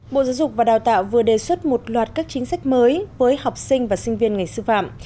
bộ giáo dục và đào tạo vừa đề xuất một loạt các chính sách mới với học sinh và sinh viên ngành sư phạm